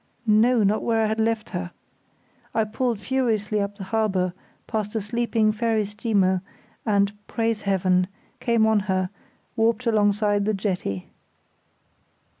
No, not where I had left her. I pulled furiously up the harbour past a sleeping ferry steamer and—praise Heaven!—came on her warped alongside the jetty.